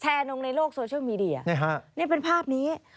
ลงในโลกโซเชียลมีเดียนี่เป็นภาพนี้